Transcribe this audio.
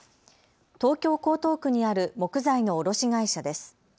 東京江東区にある木材の卸会社です。